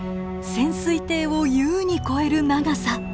潜水艇を優に超える長さ。